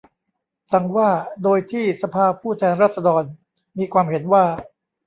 สั่งว่า โดยที่สภาผู้แทนราษฎรมีความเห็นว่า